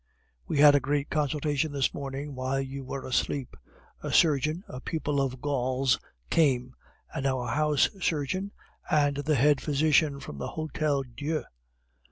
We had a great consultation this morning while you were asleep. A surgeon, a pupil of Gall's came, and our house surgeon, and the head physician from the Hotel Dieu.